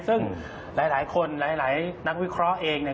ซึ่งหลายคนหลายนักวิเคราะห์เองเนี่ย